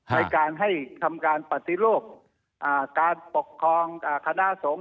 ในการให้ทำการปฏิรูปการปกครองคณะสงฆ์